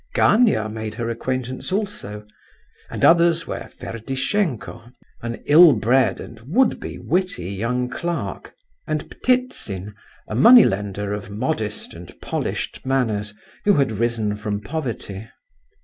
Gania made her acquaintance also, and others were Ferdishenko, an ill bred, and would be witty, young clerk, and Ptitsin, a money lender of modest and polished manners, who had risen from poverty.